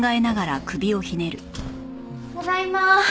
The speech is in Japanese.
ただいま。